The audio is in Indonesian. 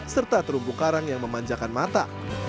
serta terumpu karang yang memanjakan mata